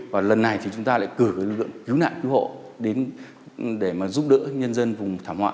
và lần này chúng ta lại cử lực lượng cứu nạn cứu hộ để giúp đỡ nhân dân vùng thảm họa